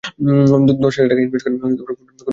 দশ হাজার টাকা ইনভেস্টমেন্টে কোন বিজনেস শুরু করা যায়?